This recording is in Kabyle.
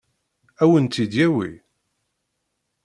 Ad wen-tt-id-yawi?